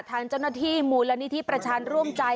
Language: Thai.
ท่านเจ้านาทีมูลณิทิประชาญร่วมใจ